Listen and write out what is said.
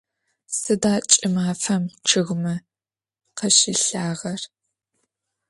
Sıda ç'ımafem ççıgıme khaşilhağer?